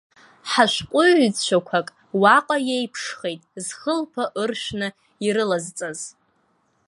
Ҳашәҟәыҩҩцәақәак уаҟа иеиԥшхеит зхылԥа ыршәны ирылазҵаз.